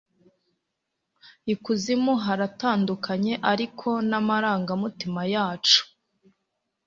Ikuzimu haratandukanye ariko n'amarangamutima yacu